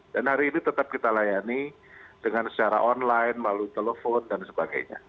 dan hari ini tetap kita layani dengan secara online lalu telepon dan sebagainya